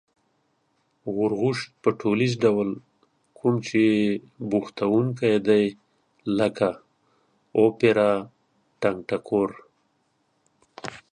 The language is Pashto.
غورغوشت په ټولیز ډول کوم چې بوختوونکي دی لکه: اوپرا، ټنگټکور